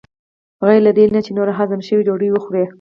غیر له دې نه چې نور هضم شوي ډوډۍ وخورې.